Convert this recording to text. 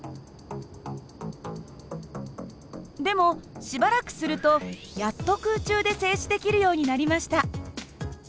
でもしばらくするとやっと空中で静止できるようになりました。